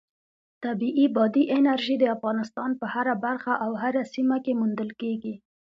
طبیعي بادي انرژي د افغانستان په هره برخه او هره سیمه کې موندل کېږي.